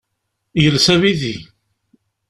Yelsa abidi.